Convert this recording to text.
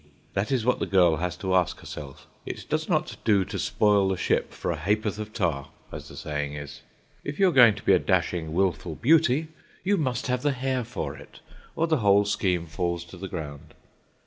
That is what the girl has got to ask herself. It does not do to spoil the ship for a ha'porth of tar, as the saying is. If you are going to be a dashing, wilful beauty, you must have the hair for it, or the whole scheme falls to the ground.